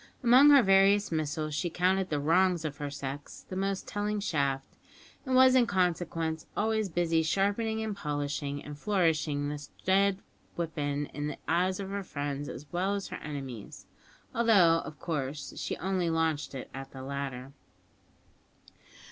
Among her various missiles she counted the "wrongs of her sex" the most telling shaft, and was in consequence always busy sharpening and polishing and flourishing this dread weapon in the eyes of her friends as well as her enemies, although, of course, she only launched it at the latter.